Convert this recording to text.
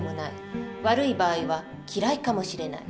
悪い場合は嫌いかもしれない。